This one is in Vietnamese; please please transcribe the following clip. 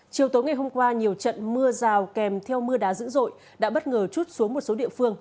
chiều tối ngày hôm qua nhiều trận mưa rào kèm theo mưa đá dữ dội đã bất ngờ chút xuống một số địa phương